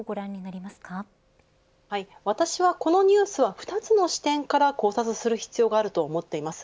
私はこのニュースは２つの視点から考察する必要があると思っています。